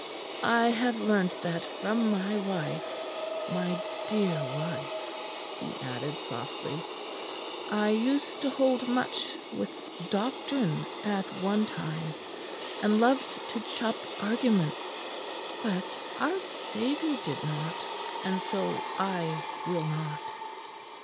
I have learnt that from my wife my dear wife," he added softly. "I used to hold much with doctrine at one time, and loved to chop arguments; but our Saviour did not, and so I will not."